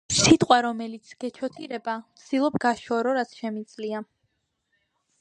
სიტყვა, რომელიც გეჩოთირება ვცდილობგაშორო, რაც შემიძლია.